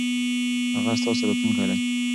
هغه ستاسو راتلونکی دی.